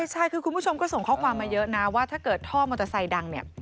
ใช่คือคุณผู้ชมก็ส่งข้อความมาเยอะนะว่าถ้าเกิดท่อมอเตอร์ไซค์ดังเนี่ย